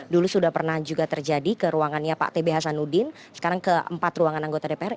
dulu sudah pernah juga terjadi ke ruangannya pak tb hasanuddin sekarang ke empat ruangan anggota dpr